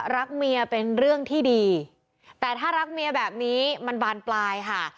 รักเมียเป็นเรื่องที่ดีแต่ถ้ารักเมียแบบนี้มันบานปลายค่ะ